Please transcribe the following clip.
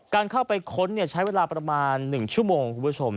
การเข้าไปค้นใช้เวลาประมาณ๑ชั่วโมงคุณผู้ชม